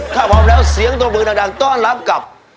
ถ้าพร้อมแล้วเสียงตัวเมืองดังต้อนรับกับ